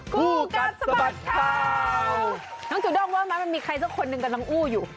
กูกัดสบัดข่าวน้องถูดองว่ามันมีใครเจ้าคนนึงกำลังอู้อยู่